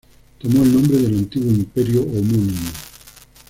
Tomó el nombre del antiguo imperio homónimo.